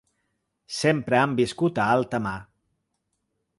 Sempre han viscut a alta mar.